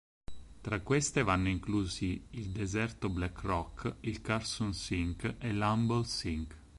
Tra queste vanno inclusi il Deserto Black Rock, il Carson Sink e l'Humboldt Sink.